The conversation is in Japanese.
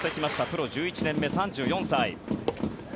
プロ１１年目、３４歳。